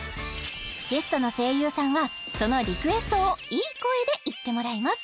ゲストの声優さんはそのリクエストをいい声で言ってもらいます